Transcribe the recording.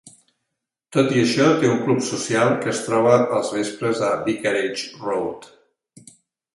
Tot i això, té un club social, que es troba als vespres a Vicarage Road.